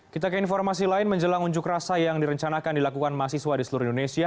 kita ke informasi lain menjelang unjuk rasa yang direncanakan dilakukan mahasiswa di seluruh indonesia